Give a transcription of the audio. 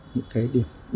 những cái điểm này